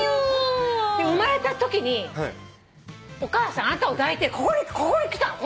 生まれたときにお母さんあなたを抱いてここに来たの。